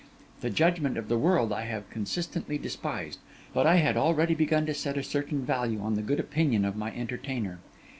The judgment of the world I have consistently despised, but I had already begun to set a certain value on the good opinion of my entertainer.